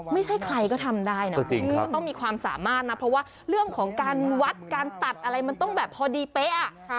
ไม่ใช่ใครก็ทำได้นะจริงก็ต้องมีความสามารถนะเพราะว่าเรื่องของการวัดการตัดอะไรมันต้องแบบพอดีเป๊ะ